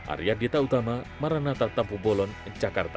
arya dita utama maranata tampu bolon jakarta